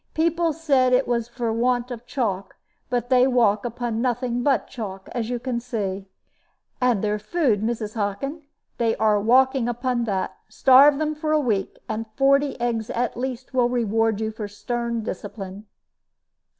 People said it was for want of chalk, but they walk upon nothing but chalk, as you can see." "And their food, Mrs. Hockin. They are walking upon that. Starve them for a week, and forty eggs at least will reward you for stern discipline."